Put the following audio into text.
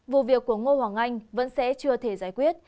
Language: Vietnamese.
vụ việc của ngô hoàng anh vẫn sẽ chưa thể giải quyết